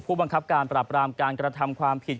บังคับการปราบรามการกระทำความผิด